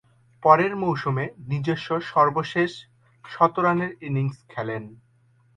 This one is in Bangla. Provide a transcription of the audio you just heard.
পরের মৌসুমে নিজস্ব সর্বশেষ শতরানের ইনিংস খেলেন।